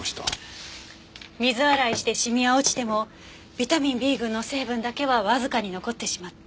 水洗いしてシミは落ちてもビタミンＢ群の成分だけはわずかに残ってしまった。